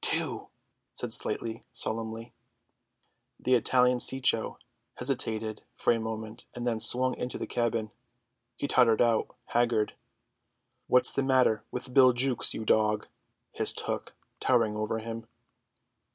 "Two," said Slightly solemnly. The Italian Cecco hesitated for a moment and then swung into the cabin. He tottered out, haggard. "What's the matter with Bill Jukes, you dog?" hissed Hook, towering over him.